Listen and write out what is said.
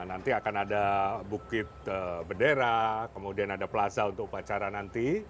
nanti akan ada bukit bendera kemudian ada plaza untuk upacara nanti